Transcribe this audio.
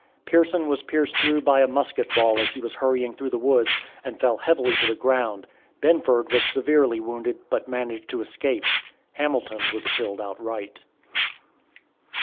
Pearson was pierced through by a musket ball as he was hurrying through the woods, and fell heavily to the ground. Binford was severely wounded, but managed to escape. Hamilton was killed outright.